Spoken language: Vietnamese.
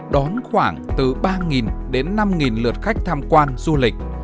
lượng du khách đến điện biên ước tính mỗi ngày đón khoảng từ ba đến năm lượt khách tham quan du lịch